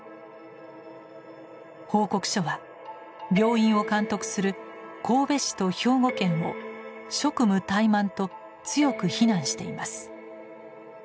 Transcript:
報告書は病院を監督する神戸市と兵庫県を「職務怠慢」と強く非難しています。